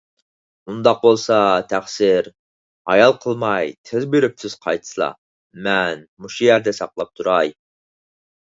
ئۇنداق بولسا تەقسىر، ھايال قىلماي تېز بېرىپ تېز قايتسىلا! مەن مۇشۇ يەردە ساقلاپ تۇراي.